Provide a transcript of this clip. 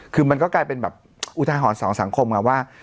คือมันก็กลายเป็นแบบอุทาหรณ์สองสังคมไงว่า